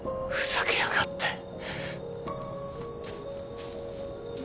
ふざけやがって！